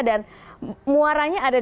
dan muaranya ada di dalam